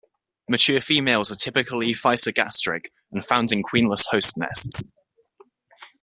Mature females are typically physogastric and found in queenless host nests.